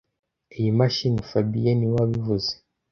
iyi mashini fabien niwe wabivuze